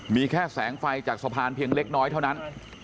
มีแค่แสงไฟจากสะพานเพียงเล็กน้อยเท่านั้น